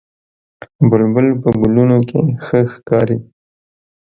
بلبل په ګلونو کې ښه ښکاري